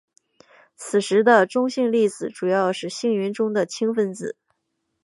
此时的中性粒子主要是星云中的氢分子。